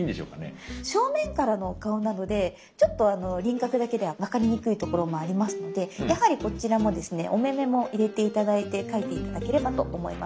正面からの顔なのでちょっと輪郭だけでは分かりにくいところもありますのでやはりこちらもですねお目目も入れて頂いて描いて頂ければと思います。